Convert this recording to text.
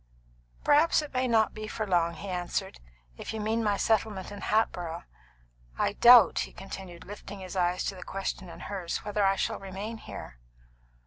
"Perhaps it may not be for long," he answered, "if you mean my settlement in Hatboro'. I doubt," he continued, lifting his eyes to the question in hers, "whether I shall remain here."